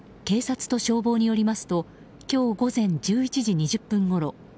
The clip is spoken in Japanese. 警察と消防によりますと今日午前１１時２０分ごろ